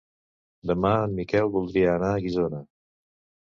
Demà en Miquel voldria anar a Guissona.